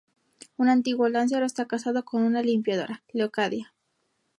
Un antiguo lancero, está casado con una limpiadora, "Leocadia".